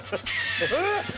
えっ？